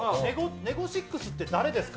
ネゴシックスって誰ですか？